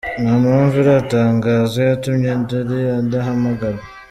Nta mpamvu iratangazwa yatumye Ndoli adahamagarwa.